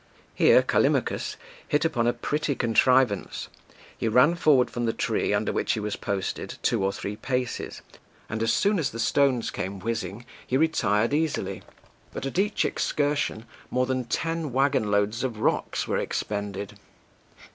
Here Callimachus hit upon a pretty contrivance he ran forward from the tree under which he was posted two or three paces, and as soon as the stones came whizzing, he retired easily, but at each excursion more than ten wagon loads of rocks were expended.